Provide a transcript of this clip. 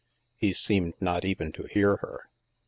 " He seemed not even to hear her.